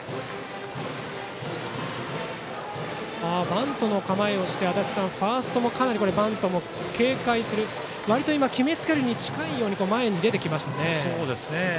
バントの構えをして足達さん、ファーストもかなりバントを警戒する割と決めつけに近いように前に出てきましたね。